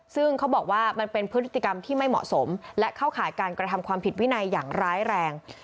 ซึ่งเขาบอกว่ามันเป็นพฤติกรรมที่ไม่เหมาะสมและเข้าข่ายการกระทำความผิดวินัยอย่างร้ายแรง